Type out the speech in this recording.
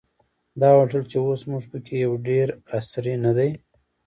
دا هوټل چې اوس موږ په کې یو ډېر عصري نه دی.